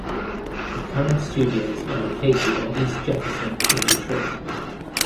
The current studios are located on East Jefferson in Detroit.